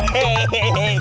gue gak mau mau